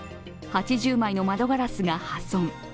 ８０枚の窓ガラスが破損。